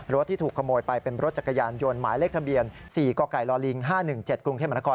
ที่ถูกขโมยไปเป็นรถจักรยานยนต์หมายเลขทะเบียน๔กกลลิง๕๑๗กรุงเทพมนคร